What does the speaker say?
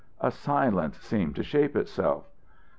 A silence seemed to shape itself.